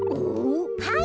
はい。